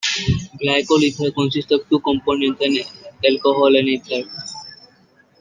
Glycol ethers consist of two components, an alcohol and ether.